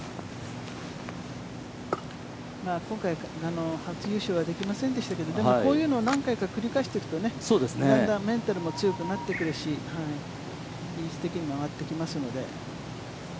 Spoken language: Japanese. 今回、初優勝はできませんでしたけど、でも、こういうのを何回か繰り返していくとね、だんだんメンタルも強くなってくるし、技術的にも上がってきますので。